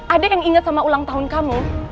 ada yang ingat sama ulang tahun kamu